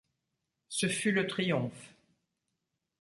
Ce fut le triomphe.